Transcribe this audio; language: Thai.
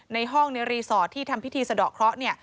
ในห้องในรีสอร์ทที่ทำพิธีสะดอกเคราะห์